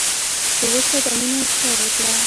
خو ورته دا مینه اظهار وکړه.